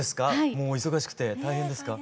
もう忙しくて大変ですか？